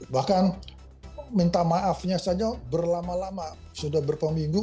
bahkan minta maafnya saja berlama lama sudah berpeminggu